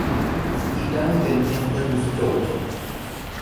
He died in Athens, Georgia.